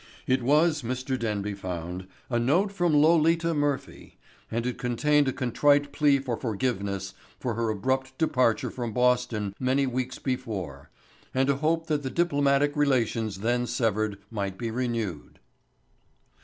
It was, Mr. Denby found, a note from Lolita Murphy and it contained a contrite plea for forgiveness for her abrupt departure from Boston many weeks before and a hope that the diplomatic relations then severed might be renewed.